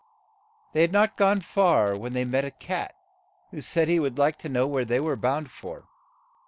They had not gone far when they met a cat, who said he would like to know where they were bound for.